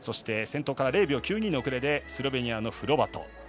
先頭から０秒９２の遅れでスロベニアのフロバト。